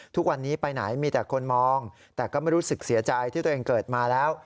ทุกวันนี้ไปไหนมีแต่คนมองแต่ก็ไม่รู้สึกเสียใจที่ตัวเองเกิดมาแล้ว